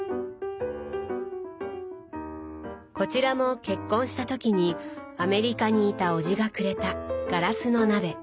こちらも結婚した時にアメリカにいた叔父がくれたガラスの鍋。